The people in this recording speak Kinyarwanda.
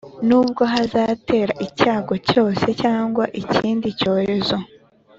nubwo hazatera icyago cyose cyangwa ikindi cyorezo